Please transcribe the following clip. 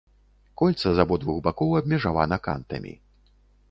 Кольца з абодвух бакоў абмежавана кантамі.